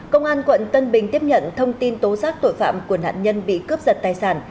công an quận tân bình tiếp nhận thông tin tố giác tội phạm của nạn nhân bị cướp giật tài sản